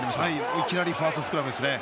いきなりファーストスクラムですね。